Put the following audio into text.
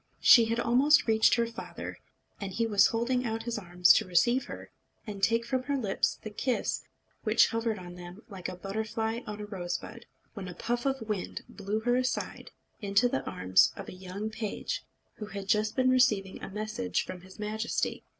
She had almost reached her father, and he was holding out his arms to receive her, and take from her lips the kiss which hovered on them like a butterfly on a rosebud, when a puff of wind blew her aside into the arms of a young page, who had just been receiving a message from his Majesty.